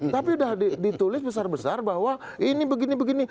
tapi sudah ditulis besar besar bahwa ini begini begini